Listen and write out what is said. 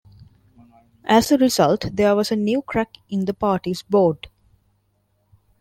As a result, there was a new crack in the party's board.